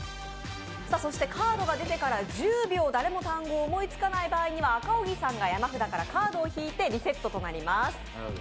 カードが出てから１０秒誰も単語を思いつかない場合は赤荻さんが山札からカードを引いてリセットとなります。